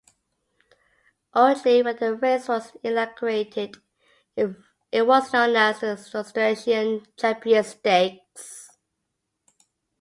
Originally when the race was inaugurated it was known as the Australasian Champion Stakes.